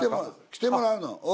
来てもらうの？